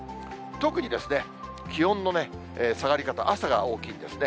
特にですね、気温の下がり方、朝が大きいんですね。